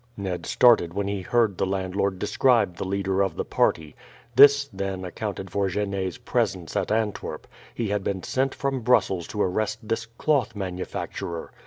Ned started when he heard the landlord describe the leader of the party. This, then, accounted for Genet's presence at Antwerp; he had been sent from Brussels to arrest this cloth manufacturer.